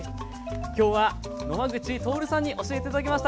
きょうは野間口徹さんに教えて頂きました。